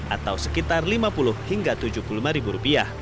atau sekitar rp lima puluh hingga rp tujuh puluh lima